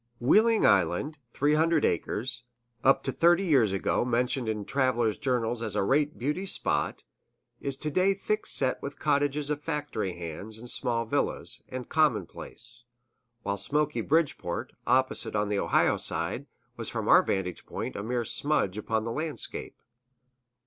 Wheeling Island (300 acres), up to thirty years ago mentioned in travelers' journals as a rare beauty spot, is to day thick set with cottages of factory hands and small villas, and commonplace; while smoky Bridgeport, opposite on the Ohio side, was from our vantage point a mere smudge upon the landscape.